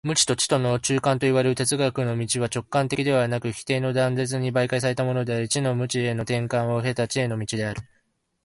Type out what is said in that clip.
無知と知との中間といわれる哲学の道は直線的でなくて否定の断絶に媒介されたものであり、知の無知への転換を経た知への道である。